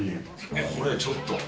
ね、これ、ちょっと。